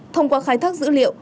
thông qua khai thác dữ liệu